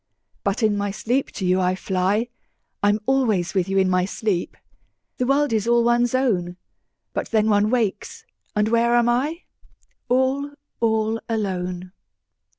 5 But in my sleep to you I fly: I'm always with you in my sleep! The world is all one's own. But then one wakes, and where am I? All, all alone.